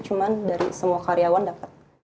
cuma dari semua karyawan dapat